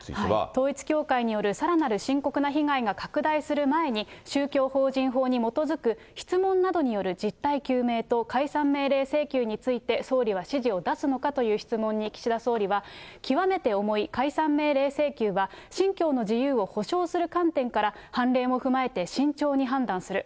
統一教会によるさらなる深刻な被害が拡大する前に、宗教法人法に基づく質問などによる実態究明と解散命令請求について、総理は指示を出すのかという質問に、岸田総理は、極めて重い解散命令請求は、信教の自由を保障する観点から、判例も踏まえて、慎重に判断する。